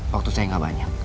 waktu saya gak banyak